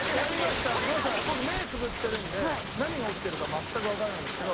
僕目つぶってるんで何が起きてるか全くわからないんですけど。